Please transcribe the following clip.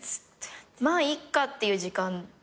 「まあいっか」っていう時間。